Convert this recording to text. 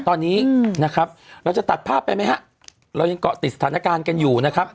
ตอนนี้นะครับเราจะตัดภาพไปไหมฮะเรายังเกาะติดสถานการณ์กันอยู่นะครับ